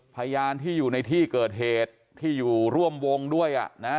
พยานที่อยู่ในที่เกิดเหตุที่อยู่ร่วมวงด้วยอ่ะนะฮะ